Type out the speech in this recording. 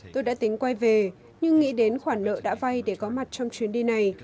tôi đã tính quay về nhưng nghĩ đến khoản nợ đã vay để có mặt trong chuyến đi này